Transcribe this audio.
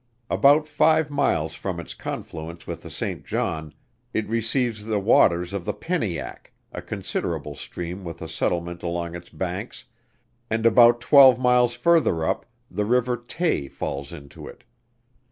About five miles from its confluence with the St. John, it receives the waters of the Peniack, a considerable stream with a settlement along its banks, and about twelve miles further up, the river Tay falls into it.